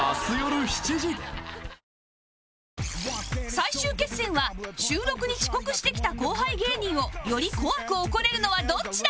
最終決戦は収録に遅刻してきた後輩芸人をより怖く怒れるのはどっちだ？